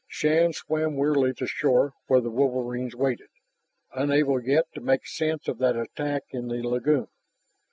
Shann swam wearily to shore where the wolverines waited, unable yet to make sense of that attack in the lagoon.